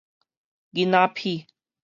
囡仔庀